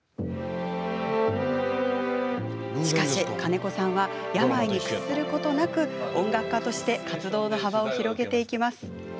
しかし、金子さんは病に屈することなく音楽家として活動の幅を広げていきます。